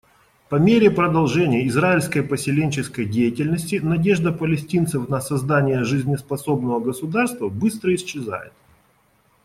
По мере продолжения израильской поселенческой деятельности надежда палестинцев на создание жизнеспособного государства быстро исчезает.